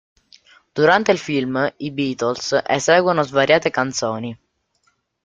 Durante il film i Beatles eseguono svariate canzoni.